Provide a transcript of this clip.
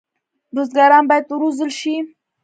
بزګران باید وروزل شي.